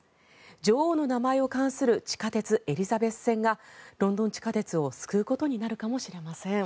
女王の名前を冠する地下鉄エリザベス線がロンドン地下鉄を救うことになるかもしれません。